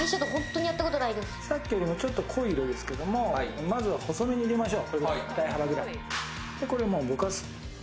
さっきよりちょっと濃い色ですけど、細めで入れましょう。